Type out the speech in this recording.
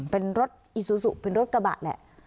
เป็นรถอีซูซูเป็นรถกระบะแหละ